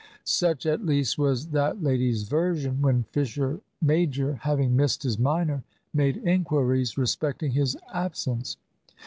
Such at least was that lady's version when Fisher major, having missed his minor, made inquiries respecting his absence.